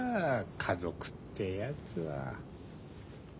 家族ってやつは。